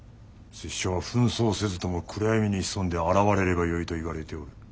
拙者は扮装せずとも暗闇に潜んで現れればよいと言われておる。